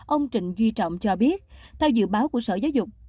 ông trịnh duy trọng cho biết theo dự báo của sở giáo dục